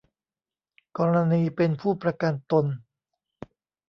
กรณีเป็นผู้ประกันตน